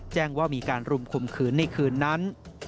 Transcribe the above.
แจ้งว่ามีการรุมข่มขืนในคืนนั้น